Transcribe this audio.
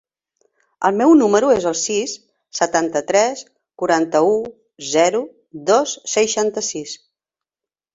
El meu número es el sis, setanta-tres, quaranta-u, zero, dos, seixanta-sis.